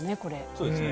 そうですね。